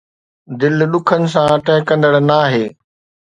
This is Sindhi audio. دل ڏکن سان ٺهڪندڙ ناهي